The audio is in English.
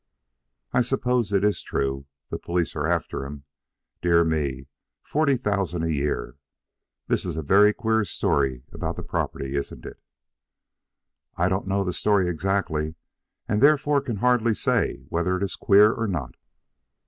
"I suppose it is true the police are after him? Dear me! Forty thousand a year! This is a very queer story about the property, isn't it?" "I don't know the story exactly, and therefore can hardly say whether it is queer or not."